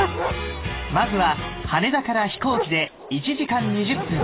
まずは羽田から飛行機で１時間２０分